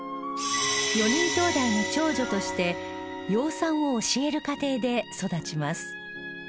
４人きょうだいの長女として養蚕を教える家庭で育ちます